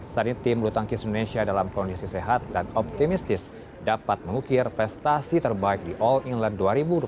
sanitim blutangkis indonesia dalam kondisi sehat dan optimistis dapat mengukir prestasi terbaik di all england dua ribu dua puluh satu